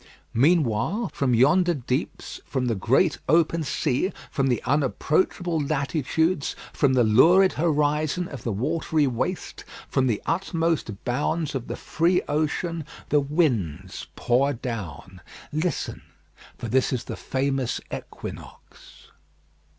Meanwhile, from yonder deeps, from the great open sea, from the unapproachable latitudes, from the lurid horizon of the watery waste, from the utmost bounds of the free ocean, the winds pour down. Listen; for this is the famous equinox.